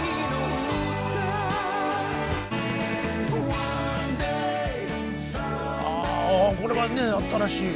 わあこれはね新しい！